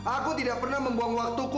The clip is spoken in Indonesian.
aku tidak pernah membuang waktuku